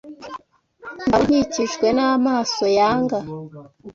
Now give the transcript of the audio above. Ndabona nkikijwe namaso yanga.